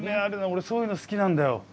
俺そういうの好きなんだよ。